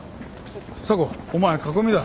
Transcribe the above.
査子お前囲みだ。